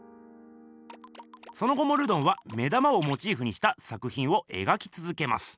その後もルドンは目玉をモチーフにした作ひんを描きつづけます。